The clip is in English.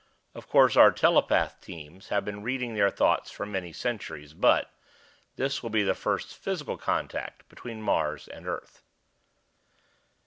Of course our telepath teams have been reading their thoughts for many centuries, but this will be the first physical contact between Mars and Earth."